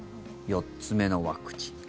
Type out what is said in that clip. ４つ目のワクチン。